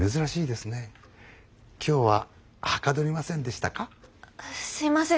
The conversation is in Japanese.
すいません！